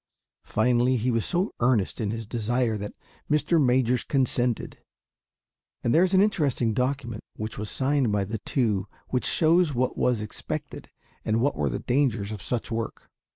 Finally, he was so earnest in his desire, that Mr. Majors consented; and there is an interesting document which was signed by the two which shows what was expected and what were the dangers of such work.